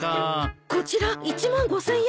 こちら１万５，０００円ですが。